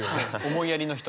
思いやりの人。